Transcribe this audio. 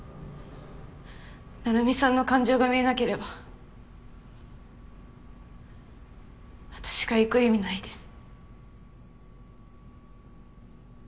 成海さんの感情が見えなければ私が行く意味ないです。